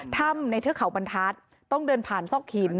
ถ้ำในเทือกเขาบรรทัศน์ต้องเดินผ่านซอกหิน